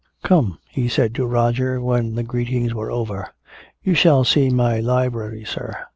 "Come," he said to Roger, when the greetings were over. "You shall see my library, sir.